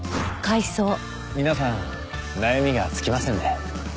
皆さん悩みが尽きませんね。